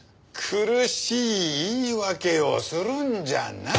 苦しい言い訳をするんじゃない。